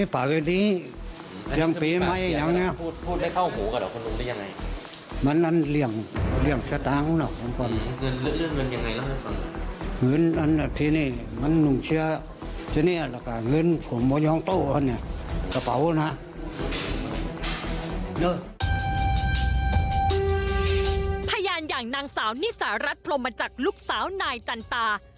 พยานอย่างนางสาวนิสารัฐพรมจักรลูกสาวนายจันตา